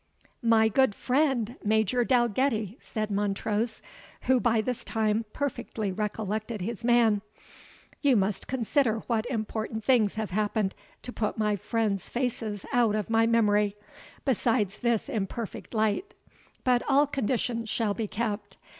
"My good friend, Major Dalgetty," said Montrose, who by this time perfectly recollected his man, "you must consider what important things have happened to put my friends' faces out of my memory, besides this imperfect light; but all conditions shall be kept.